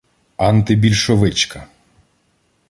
антибільшовичка